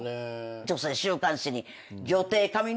女性週刊誌に。